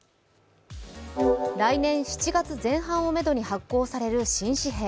来年７月前半をめどに発酵される新紙幣。